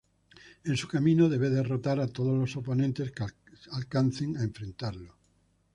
En su camino debe derrotar a todos los oponentes que alcancen a enfrentarlo.